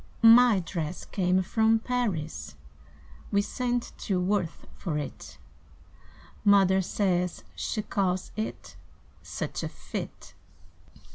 My dress came from Paris; We sent to Worth for it; Mother says she calls it Such a fit!"